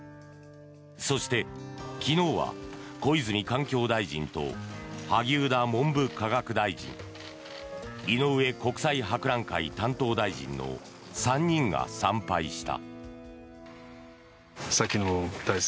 そして、昨日は小泉環境大臣と萩生田文部科学大臣井上国際博覧会担当大臣の３人が参拝した。